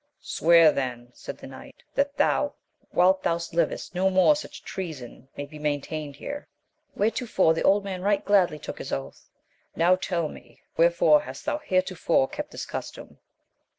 Swear then, said the knight, that, while thou livest, no more such treason be main tained here. Whereto the old man right gladly took his oath. Now tell me, wherefore hast thou heretofore kept this custom